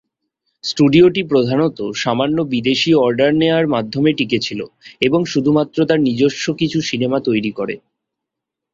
স্টুডিওটি প্রধানত সামান্য বিদেশী অর্ডার নেওয়ার মাধ্যমে টিকে ছিল, এবং শুধুমাত্র তার নিজস্ব কিছু সিনেমা তৈরি করে।